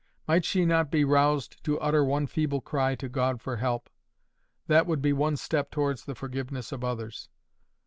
Might she not be roused to utter one feeble cry to God for help? That would be one step towards the forgiveness of others.